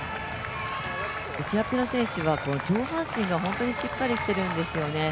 エチオピアの選手は上半身が本当にしっかりしているんですよね。